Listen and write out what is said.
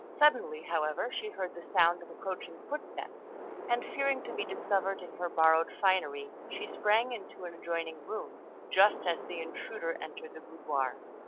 Suddenly, however, she heard the sound of approaching footsteps, and fearing to be discovered in her borrowed finery, she sprang into an adjoining room, just as the intruder entered the boudoir.